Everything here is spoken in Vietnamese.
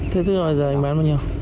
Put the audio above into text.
thế thế rồi giờ anh bán bao nhiêu